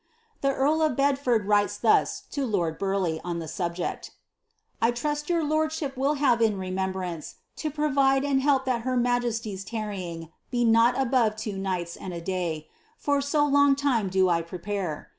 The earl of Bedford writes thus to lord Bur leigh, on the subject —^ I trust your lordship will have in remembrance to provide and help that ber majesty's tarrying be not above two nighls and a day ; for so long lime do 1 prepare.